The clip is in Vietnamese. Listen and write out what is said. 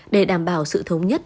để đảm bảo sự thống nhất